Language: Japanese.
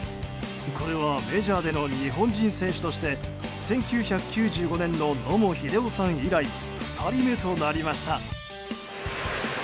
これはメジャーでの日本人選手として１９９５年の野茂英雄さん以来２人目となりました。